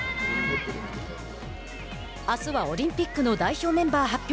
あすはオリンピックの代表メンバー発表